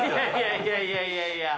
いやいやいやいや。